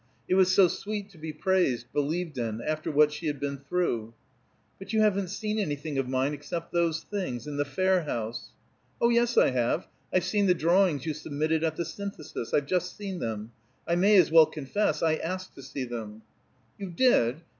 It was so sweet to be praised, believed in, after what she had been through. "But you haven't seen anything of mine except those things in the Fair House." "Oh, yes, I have. I've seen the drawings you submitted at the Synthesis. I've just seen them. I may as well confess it: I asked to see them." "You did!